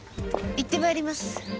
行ってまいります。